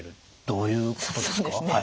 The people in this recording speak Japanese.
どういうことですか？